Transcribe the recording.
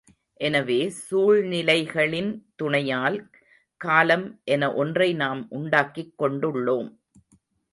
எனவே சூழ்நிலைகளின் துணையால் காலம் என ஒன்றை நாம் உண்டாக்கிக் கொண்டுள்ளோம்.